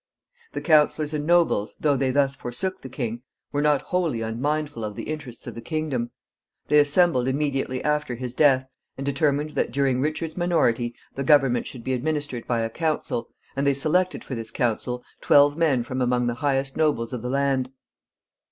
The counselors and nobles, though they thus forsook the king, were not wholly unmindful of the interests of the kingdom. They assembled immediately after his death, and determined that during Richard's minority the government should be administered by a council, and they selected for this council twelve men from among the highest nobles of the land.